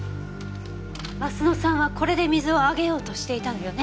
鱒乃さんはこれで水をあげようとしていたのよね？